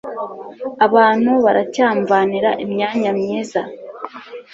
Abantu baracyamvanira imyanya myiza.